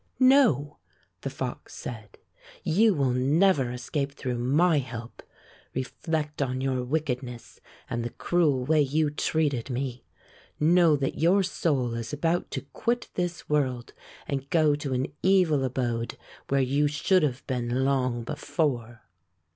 '' No," the fox said, ^'you will never escape through my help. Reflect on your wicked ness and the cruel way you treated me. Know that your soul is about to quit this world and go to an evil abode where you should have been long before."